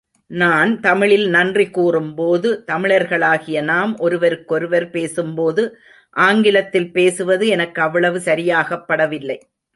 நான் தமிழில் நன்றி கூறும்போது தமிழர்களாகிய நாம் ஒருவருக்கொருவர் பேசும்போது ஆங்கிலத்தில் பேசுவது எனக்கு அவ்வளவு சரியாகப் படவில்லை.